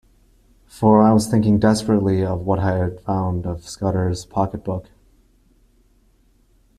For I was thinking desperately of what I had found in Scudder’s pocket-book.